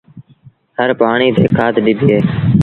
هر پآڻيٚ تي کآڌ ڏبيٚ اهي